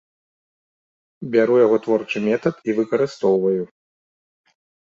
Бяру яго творчы метад і выкарыстоўваю.